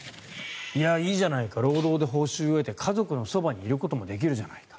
いや、いいじゃないか労働で報酬を得て家族のそばにいることもできるじゃないか。